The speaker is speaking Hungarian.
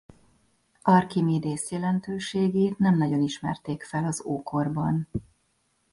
Arkhimédész jelentőségét nem nagyon ismerték fel az ókorban.